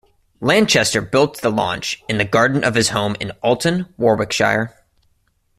Lanchester built the launch in the garden of his home in Olton, Warwickshire.